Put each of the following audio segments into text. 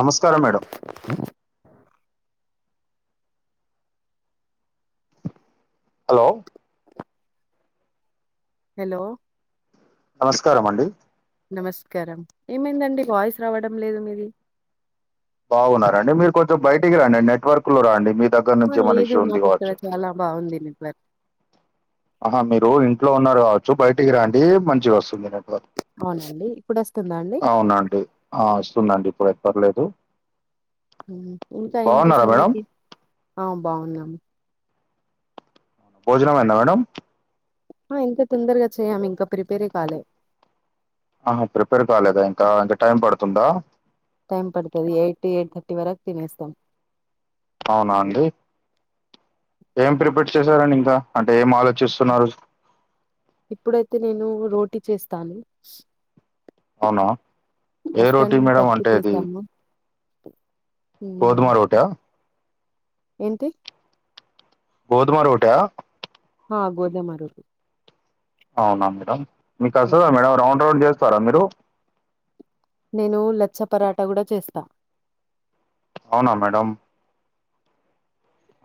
నమస్కారం madam hello hello నమస్కారమండి నమస్కారం ఏమైందండి వాయిస్ రావడం లేదు మీది బాగున్నారండి మీర్ కొంచెం బయిటికి రాండి నెట్వర్క్ లో రాండి మీ దగ్గర్నుంచి ఏమన్న ఇష్యూ ఉంది గావచ్చు బావుంది నిట్ వర్ ఆహా మీరు ఇంట్లో ఉన్నారు గావొచ్చు బయిటికి రాండి మంచిగా వస్తుంది నెట్ వర్ అవునండి ఇప్పుడొస్తుందా అండి అవునా అండి ఆ వస్తుందండి ఇప్పుడై పర్లేదు ఆ ఇంకా ఏంటి బాగున్నారా మేడం సంగతి ఆవ్ బావున్నామ్ భోజనమైంద మేడం ఆ ఇంతతొందరగా చెయ్యమింకా ప్రిపేరే కాలే ఆహా ప్రిపేర్ కాలేదా ఇంకా ఇంకా టైం పడుతుందా టైమ్ పడుతది ఎయిట్ ఎయిట్ థర్టీ వరకు తినేస్తాం అవునా అండి ఏం ప్రిపేర్ చేశారండి ఇంకా అంటే ఏం ఆలోచిస్తున్నారు ఇప్పుడైతే నేను రోటీ చేస్తాను అవునా ఏ రోటీ ఆఫ్టర్నూన్ మేడం పప్పు అంటే అది గోధుమ ఉమ్ రోటా ఏంటి గోధమ రోటె హ గోధుమ రొట్టె అవునా మేడమ్ మీకు వస్తుందా మేడ రౌండ్ రౌండ్ చేస్తారా మీరు నేను లచ్చ పరాట కూడా చేస్తా అవునా మేడం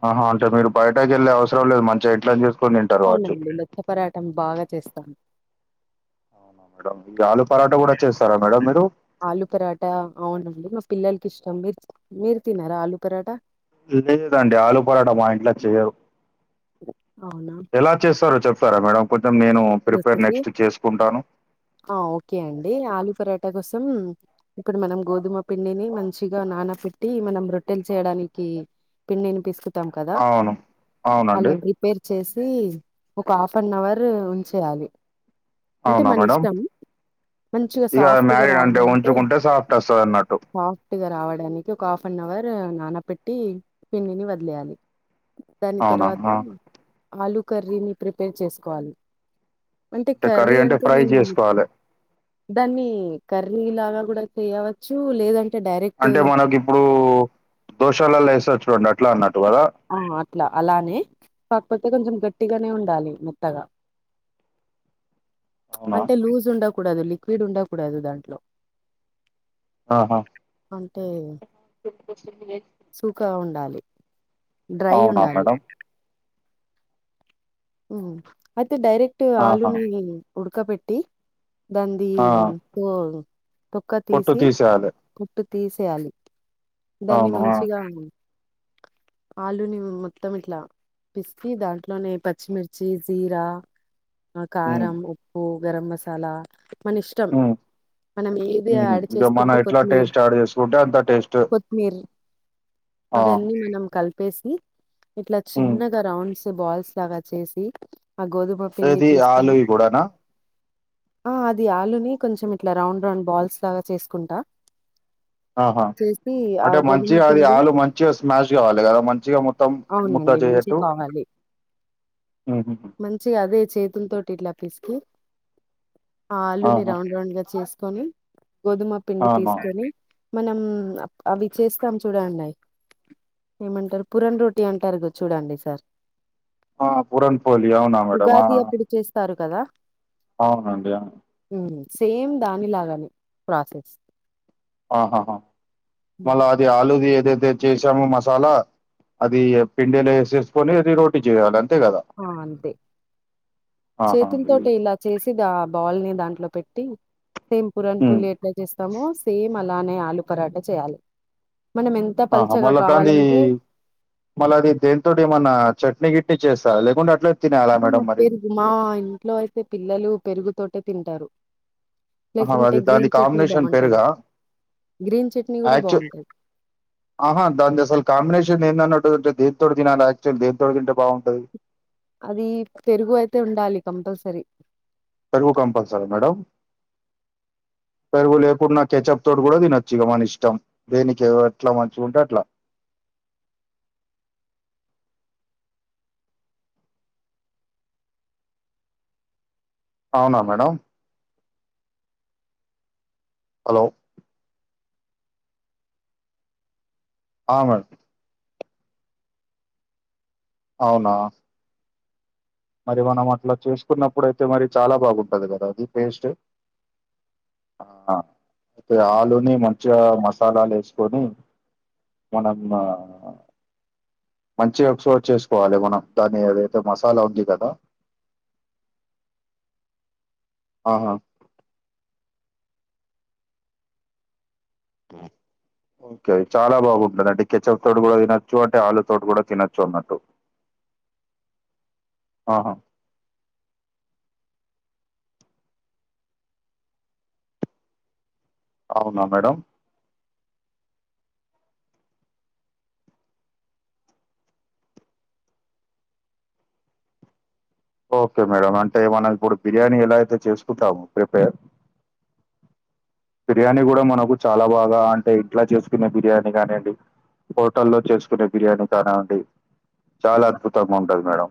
ఆహా అంటే మీరు బయటక వెళ్లే అవసరం లే మంచిగా ఇంట్లో చేస్త అవునండి మెత్త పరాటం బాగా చేస్తాను మేడం ఈ ఆలు పరాట కూడా చేస్తారా మేడం మీరు ఆలు పరాట అవునండి మా పిల్లలకి ఇష్టం మీరు మీరు తినారా ఆలు పరాట లేదండి ఆలు పరాట మా ఇంట్లో చేయరు అవునా ఎలా చేస్తారో చెప్తారా మేడం కొంచెం నేను ప్రిపేర్ రెసిపీ నెక్స్ట్ చేసుకుంటాను ఆ ఓకే అండి ఆలూ పరాటా కోసం ఇప్పుడు మనం గోధుమ పిండిని మంచిగా నానపెట్టి మనం రొట్టెలు చేయడానికి పిండిని పిసుకుతాం కదా అవును అవునండి అళ్లకీ ప్రిపేర్ చేసి ఒక హాఫ్ అన్ అవర్ ఉంచేయాలి అంటే అవునా మన మేడం ఇష్టము మంచిగా ఇక సాఫ్ట్గా మ్యారీడ్ అంటే రావాలంటే ఉంచుకుంటే సాఫ్ట్ వస్తుంది అన్నట్టు హాఫ్ సాఫ్ట్గా రావడానికి ఒక హాఫ్ అన్ అవర్ నాన పెట్టి పిండిని వదిలేయాలి దాని అవునా తర్వాత ఆ. ఆలూ కర్రీని ప్రిపేర్ చేసుకోవాలి అంటే కర్రీ అంటే నేను దాన్ని కర్రీ లాగా కూడా చేయవచ్చు లేదండి అంటే మనకి ఇప్పుడు దోషాలలో వేస్తేారు చూడండి అట్లా అన్నట్టు కదా ఆ అట్లా అలానే కాకపోతే కొంచెం గట్టిగానే ఉండాలి మెత్తగా అవునా అంటే లూజ్ ఉండకూడదు లిక్విడ్ ఉండకూడదు దాంట్లో ఆహా అంటే [unintelligible] సూకా ఉండాలి డ్రై అవునా ఉండాలి మేడం అయితే డైరెక్ట్ ఆహా ఆలుని ఉడక పెట్టి దాంది ఆ. వో పొక్క పొట్టు తీసి తీసేయాలి కుట్టు తీసేయాలి దాన్ని అవును ఆ మంచిగా ఉ ఆలుని మొత్తం ఇట్లా పిసికి దాంట్లోనే ప పచ్చిమిర్చి జీరా ఉమ్ కారం ఉప్పు గరం మసాలా మన ఇష్టం ఉమ్ మనం ఏది ఉహు యాడ్ ఇగ మనం చేసుకుంటే ఎట్లా కొత్తిమీరు టేస్ట్ యాడ్ చేసుకుంటే అంత టేస్ట్ కొత్తిమీర్ ఆ అవన్నీ మనం కలిపేసి ఇట్లా ఉమ్ చిన్నగా రౌండ్స్ బాల్స్ లాగా చేసి ఆ గోధుమ పిండి ఏది తీసుకొని ఆలువి కూడానా ఆ అది ఆలుని కొంచెం ఇట్లా రౌండ్ రౌండ్ బాల్స్ లాగా చేసుకుంటా ఆహా చేసి ఆ అంటే గోధుమ మంచిగా అది పిండి ఆలు మంచిగా స్మాష్ కావాలి కదా మంచిగా మొత్త ముద్ద అవునండి మంచి చెయట్టు కావాలి చి అదే చేతుల తోటి ఇట్లా పిసికి ఆ ఆలుని ఆహా రౌండ్ రౌండ్ గా చేసుకొని గోధుమ పిండి అవునా తీసుకొని మనం అవి చేస్తాం చూడండి ఏమంటారు పురన్ రోటీ అంటారు గా చూడండి సార్ ఆ పూరన్ పోలి అవునా మేడమా ఆ సారు కదా అవునండి అవును సేమ్ దానిలాగానే ప్రాసెస్ ఆహాహా మళ్ళా అది ఆలుది ఏదైతే చేసామో మసాలా అది పిండిలో వేసేసుకొని అది రోటీ చేయాలి అంతే కదా ఆ అంతే ఆహా చేతులు తోటి ఇ చేసి ఆ బాల్ ని దాంట్లో పెట్టి సేమ్ పురన్ ఉమ్ పూలి ఎట్లా చేస్తామో సేమ్ అలానే ఆలు పరాట చేయాలి మనం ఎంత ఆహా పల్చగా మల్ల దాన్ని కావాలంటే మళ్ళ అది దేనితోటి ఏమన్నా చట్నీ కిట్నీ చేస్తా లేకుంటే అట్లనే ఆ పెరుగు మా ఇంట్లో అయితే పిల్లలు పెరుగుతోటే తింటారు ఆహా లేకుంటే అది దాని గ్రీన్ చట్నీ కాంబినేషన్ బాగుంటది పెరుగా గ్రీన్ చట్నీ కూడా యాక్చు బాగుంటది ఆహా దాన్ది అసల కాంబినేషన్ ఏందన్నంటే దేంతోటి తినాల యాక్చువల్ దేంతోటి తింటే బాగుంటది అది పెరుగు అయితే ఉండాలి కంపల్సరీ పెరుగు కంపల్సరా మేడం పెరుగు లేకుండా కెచప్ తోటి కూడా తినొచ్చు ఇగా మన ఇష్టం దేనికి ఎట్లా మంచిగా ఉంటే అట్లా అవునా మేడం హలో ఆ మేడం అవునా మరి మనం అట్లా చేసుకున్నప్పుడు అయితే మరి చాలా బాగుంటది కదా అది టేస్ట్ ఆ అయితే ఆలుని మంచిగా మసాలాలు వేసుకొని మనం మంచిగా వచ్చేటట్చేసుకోవాలి మనం దాని ఏదైతే మసాలా ఉంది కదా ఆహా రూ ర్ ఓకే చాలా బాగుంది మేడం అంటే కెచపు తోటి కూడా తినచ్చు అంటే ఆలు తోటి కూడా తినొచ్చు అన్నట్టు ఆహా అవునా మేడం ఓకే మేడం అంటే మనం ఇప్పుడు బిర్యానీ ఎలా అయితే చేసుకుంటాము ప్రిపేర్ బిర్యానీ కూడా మనకు చాలా బాగా అంటే ఇంట్లో చేసుకునే బిర్యానీ కానీయండి హోటల్లో చేసుకునే బిర్యానీ కానివండి చాలా అద్భుతంగా ఉంటది మేడం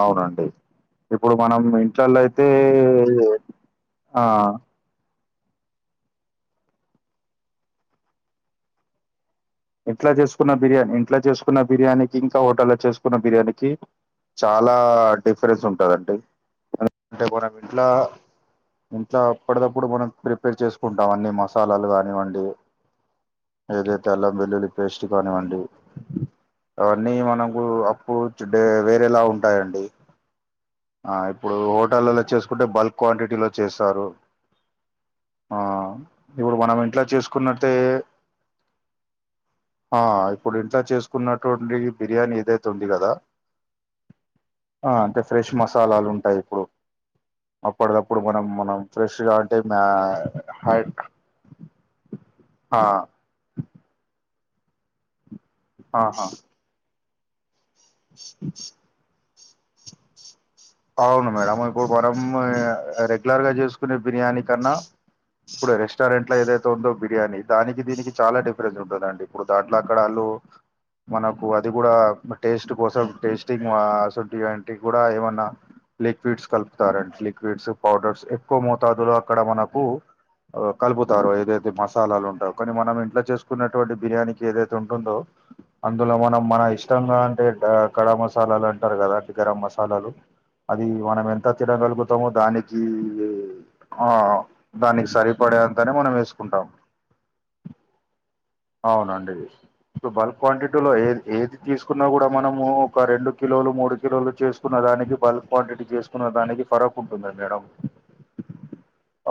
అవునండి ఇప్పుడు మనం ఇంట్లలో అయితే ఆ ఇంట్లా చేసుకున్న బిర్యానీ ఇంట్లో చేసుకున్న బిర్యానీ కి ఇంకా హోటల్లో చేసుకున్న బిర్యానీకి చాలా డిఫరెన్స్ ఉంటదండి ఎందుంటే మన ఇంట్ల ఇంట్లో అప్పటికప్పుడు మనం ప్రిపేర్ చేసుకుంటాం అన్ని మసాలాలు కానివ్వండి ఏదైతే అల్లం వెల్లుల్లి పేస్ట్ కానివ్వండి అవన్నీ మనకు అప్పుడ్డ వేరేలా ఉంటాయండి ఆ ఇప్పుడు హోటల్లో చేసుకుంటే బల్క్ క్వాంటిటీలో చేస్తారు ఆ ఇప్పుడు మనం ఇంట్లా చేసుకున్నట్టే ఆ ఇప్పుడు ఇంట్ల చేసుకున్నటువంటి బిర్యానీ ఏదైతే ఉంది కదా ఆ అంటే ఫ్రెష్ మసాలాలు ఉంటాయి ఇప్పుడు అప్పటికప్పుడు మనం మనం ఫ్రెష్ అంటే మ హై హా ఆహా అవును మేడం ఇప్పుడు మనం రెగ్యులర్గా చేసుకునే బిర్యానీ కన్నా ఇప్పుడు రెస్టారెంట్ల ఏదైతే ఉందో బిర్యానీ దానికి దీనికి చాలా డిఫరెన్స్ ఉంటదండి ఇప్పుడు దాంట్ల అక్కడాళ్లు మనకు అది కూడా టేస్ట్ కోసం టేస్టింగ్ అశుటి వంటివి కూడా ఏమన్నా లిక్విడ్స్ కలుపుతారండి లిక్విడ్స్ పౌడర్స్ ఎక్కువ మోతాదులో అక్కడ మనకు కలుపుతారుో ఏదైతే మసాలాలు ఉంటావు కానీ మనం ఇంట్లో చేసుకున్నటువంటి బిర్యానీకి ఏదైతే ఉంటుందో అందులో మనం మన ఇష్టంగా అంటే గయ కడా మసాలాలు అంటారు కదా అది గరం మసాలాలు అది మనం ఎంత తినగలుగుతమో దానికి ఆ దానికి సరిపడే అంతనే మనం వేసుకుంటాం అవునండి బల్క్ క్వాంటిటీలో ఏ ఏది తీసుకున్నా కూడా మనము ఒక రెండు కిలోలు మూడు కిలోలు చెస్ కున్న దానికి బల్క్ క్వాంటిటీ చేసుకున్న దానికి ఫరక్ ఉంటుంది మేడం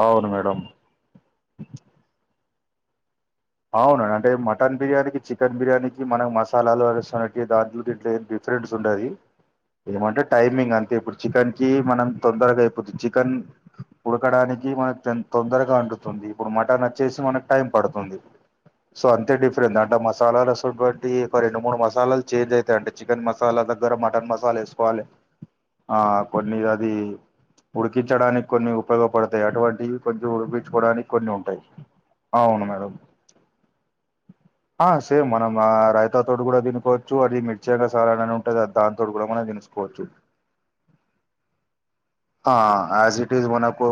అవును మేడం అవునండి అంటే మటన్ బిర్యానీ చికెన్ బిర్యానీకి మనకి మసాలాలు దాంట్లు దిట్ల ఏ ట్రేడ్స్ ఉండది ఏమంటే టైమింగ్ అంతే ఇప్పుడు చికెన్కి మనం తొందరగా అయిపోతది చికెన్ ఉడకడానికి మనకు తొందరగా వండుతుంది ఇప్పుడు మటన్ వచ్చేసి మనకు టైం పడుతుంది సో అంతే డిఫరెంట్ అంటే మసాలటువంటి ఒక రెండు మూడు మసాలాలు చేంజ్ అవుతా అండి చికెన్ మసాలా దగ్గర మటన్ మసాలా వేసుకోవాలే ఆ కొన్ని అది ఉడికించడానికి కొన్ని ఉపయోగపడతాయి అటువంటివి కొంచెం ఉడిపించుకోవడానికి కొన్ని ఉంటాయి అవును మేడం ఆ సేమ్ మనం ఆ రైతాతోటి కూడా తినుకోవచ్చు అది మిర్చికసాల అనీ ఉంటది అ దాని తోటి కూడా మనం కోవచ్చు ఆ యాజ్ ఇట్ ఇస్ మనకు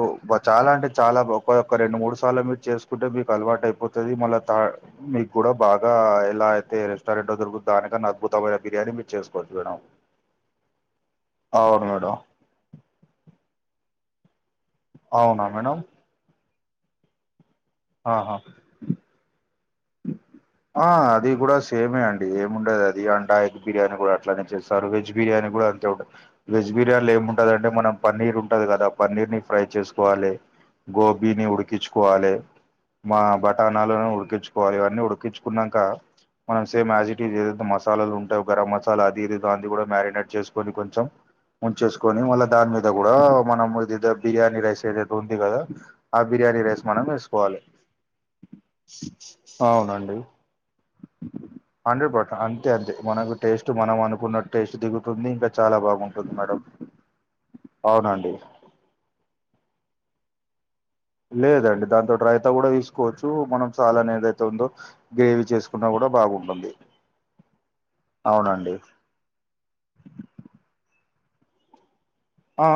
చాలా అంటే చాలా ఒకక్క రెండు మూడు సార్లు మీరు చేస్త సుకంటే మీకు అల్వాటైపోతది మళ్ళ థర్డ్ మీకు కూడా బాగా ఎలా అయితే రెస్టారెంట్లో దొరుకుతదొ దానికన్నా అద్భుతమైన బిర్యానీ మీరు చేసుకోవచ్చు మేడం అవును మేడం అవునా మేడం ఆహా ఆ అది కూడా సేమే అండి ఏమిండదది అది అండా ఎగ్ బిర్యానీ కూడా అట్లానే చేస్ కర్ వెజ్ బిర్యానీ కూడా అంతే ఉంటది వెజ్ బిర్యానీల ఏముంటంది అంటే మనం పన్నీర్ ఉంటది కదా పన్నీర్ని ఫ్రై చేసుకోవాలే గోబీని ఉడికించుకోవాలే మా బటాణాలను ఉడికించుకో వారు ఇవన్నీ ఉడికించుకున్నాక మనం సేమ్ యాజ్ ఇట్ ఈజ్ ఏదైతే మసాలాలు ఉంటావు గరం మసాలా అది ఇది దాన్ని కూడా మ్యారినేట్ చేసుకొని కొంచెం ఉంచేసుకొని మళ్ళా దాని మీద కూడా మనం ఇది బిర్యానీ రైస్ ఏదతే ఉంది కదా ఆ బిర్యానీ రైస్ మనం వేసుకోవాలి అవునండి హండ్రెడ్ పర్సెంట్ అంతే అంతే మనకు టేస్ట్ మనం అనుకున్న టేస్ట్ దిగుతుంది ఇంకా చాలా బాగుంటుంది మేడం అవునండి లేదండి దాంతో రైత కూడా తీసుకోవచ్చు మనం చాలనే ఏదైతే ఉందో గ్రేవీ చేసుకున్నా కూడా బాగుంటుంది అవునండి ఆ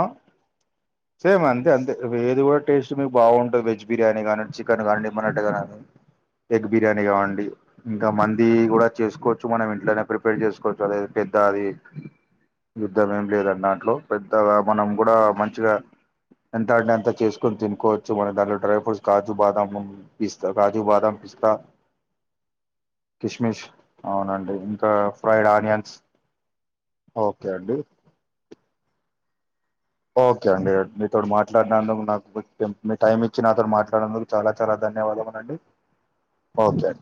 సేమ్ అంతే అంతే ఏది కూడా టేస్ట్ మీకు బాగుంటుంది వెజ్ బిర్యానీ కానీ చికెన్ కానీ మటన్ గానీ ఎగ్ బిర్యానీ కావండి ఇంకా మంది కూడా చేసుకోవచ్చు మనం ఇంట్లోనే ప్రిపేర్ చేసుకోవచ్చు అద పెద్ద అది యుద్ధం ఏమి లేదండి దాంట్లో పెద్దగా మనం కూడా మంచిగా ఎంత అంట అంత చేసుకుని తినకోవచ్చు మన దానిలో డ్రై ఫ్రూట్స్ కాజు, బాదం పిస్తా కాజూ బాదం పిస్తా కిష్మిష్ అవునండి ఇంకా ఫ్రైడ్ ఆనియన్స్ ఓకే అండి ఓకే అండి మీతో మాట్లాడినందుకు నాకు మీ టైమ్ ఇచ్చి నాతో మాట్లాడినందుకు చాలా చాలా ధన్యవాదములు అండి ఓకే